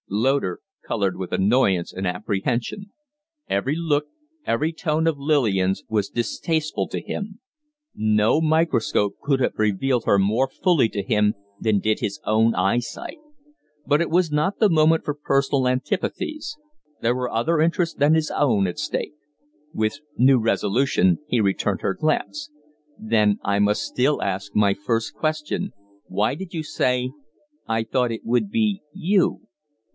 Loder colored with annoyance and apprehension. Every look, every tone of Lillian's was distasteful to him. No microscope could have revealed her more fully to him than did his own eyesight. But it was not the moment for personal antipathies; there were other interests than his own at stake. With new resolution he returned her glance. "Then I must still ask my first question, why did you say, 'I thought it would be you?'"